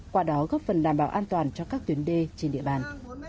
qua đó góp phần đảm bảo an toàn cho các tuyến đê trên địa bàn